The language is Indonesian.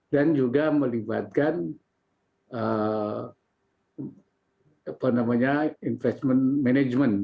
dan juga melibatkan investment management